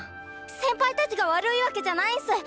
先輩たちが悪いわけじゃないんす！